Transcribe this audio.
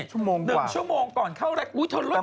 ชั่วโมงกว่าหนึ่งชั่วโมงก่อนเข้าแลกอุ๊ยเธอรู้จักกัน